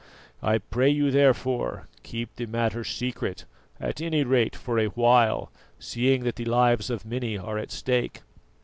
I pray you, therefore, keep the matter secret, at any rate for a while, seeing that the lives of many are at stake."